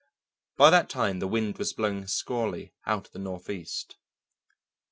By that time the wind was blowing squally out of the northeast.